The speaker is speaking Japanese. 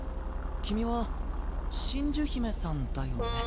君は真珠姫さんだよね？